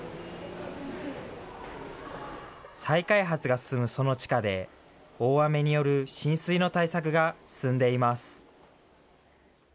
再開発が進むその地下で、大雨による浸水の対策が進んでいます。